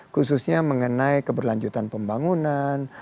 khususnya mengenai keberlanjutan pembangunan